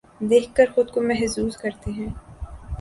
دیکھ کر خود کو محظوظ کرتے ہیں